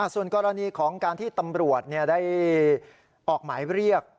ส่วนกรณีของการที่ตำรวจได้ออกหมายเรียก